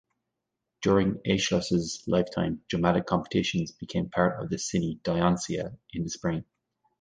During Aeschylus's lifetime, dramatic competitions became part of the City Dionysia in the spring.